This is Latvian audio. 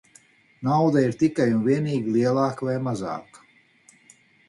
Nauda ir tikai un vienīgi lielāka vai mazāka.